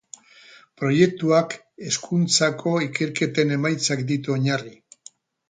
Proiektuak hezkuntzako ikerketen emaitzak ditu oinarri.